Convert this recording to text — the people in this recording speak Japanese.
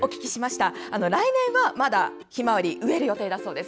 来年はまだひまわりを植える予定だそうです。